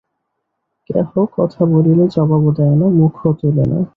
কেহ কথা বলিলে জবাবও দেয় না, মুখও তোলে না।